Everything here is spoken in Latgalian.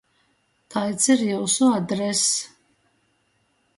Kaids ir jiusu adress?